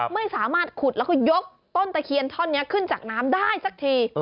ไม่สามารถขุดแล้วก็ยกต้นตะเคียนท่อนนี้ขึ้นจากน้ำได้สักที